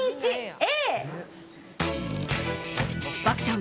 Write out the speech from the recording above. Ａ！